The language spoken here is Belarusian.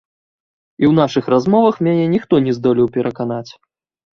І ў нашых размовах мяне ніхто не здолеў пераканаць.